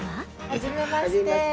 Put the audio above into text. はじめまして。